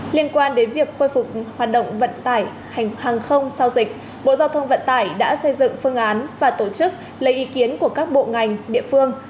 liên quan đến việc khôi phục hoạt động vận tải hàng không sau dịch bộ giao thông vận tải đã xây dựng phương án và tổ chức lấy ý kiến của các bộ ngành địa phương